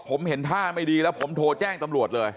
ผมเห็นท่าไม่ดีแล้วผมโทรแจ้งตำรวจเลย